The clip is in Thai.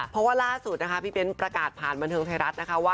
เพราะว่าร่าสุดพี่เบ้นต์ประกาศผ่านบันทึงไทยรัฐ